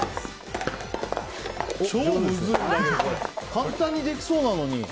簡単にできそうなのに。